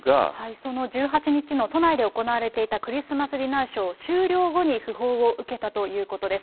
その１８日の都内で行われていたクリスマスディナーショー終了後に訃報を受けたということです。